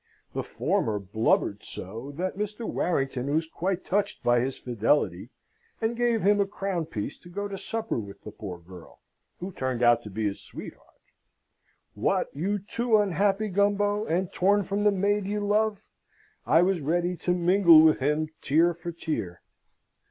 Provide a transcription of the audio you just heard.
The former blubbered so, that Mr. Warrington was quite touched by his fidelity, and gave him a crown piece to go to supper with the poor girl, who turned out to be his sweetheart. What, you too unhappy, Gumbo, and torn from the maid you love? I was ready to mingle with him tear for tear.